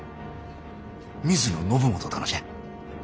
水野信元殿じゃ。